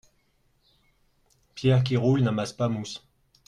pierre qui roule n'amasse pas mousse.